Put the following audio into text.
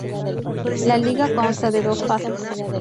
La liga consta de dos fases.